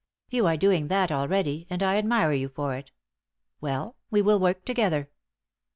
You are doing that already, and I admire you for it. Well, we will work together."